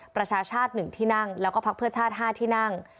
ประชาชาติ๑ที่นั่งแล้วก็พักเพื่อชาติ๕ที่นั่ง